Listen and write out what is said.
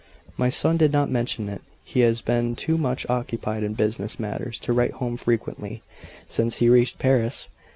"My son did not mention it. He has been too much occupied in business matters to write home frequently, since he reached Paris.